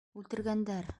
Үлтергәндәр!